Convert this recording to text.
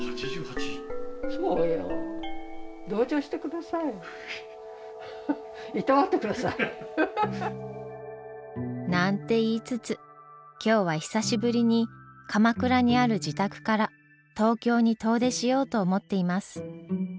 そうよ。なんて言いつつ今日は久しぶりに鎌倉にある自宅から東京に遠出しようと思っています。